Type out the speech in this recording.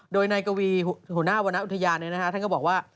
โดยนายกวีหัวหน้าอุทยานเลยนะคะท่านก็บอกว่า